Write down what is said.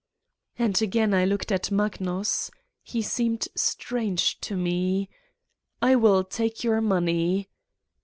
' 9 And again I looked at Magnus. He seemed strange to me :" I will take your money